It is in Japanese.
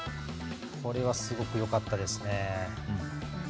これはすごくよかったですね。